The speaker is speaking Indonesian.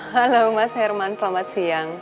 halo mas herman selamat siang